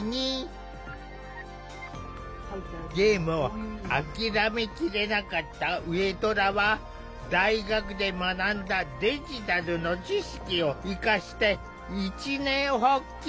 ゲームを諦めきれなかった上虎は大学で学んだデジタルの知識を生かして一念発起。